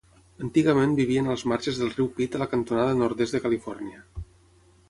Antigament vivien als marges del riu Pit a la cantonada nord-est de Califòrnia.